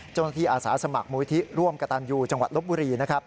เจ้าหน้าที่อาสาสมัครมูลวิธีร่วมกระตานยูจังหวัดลบบุรี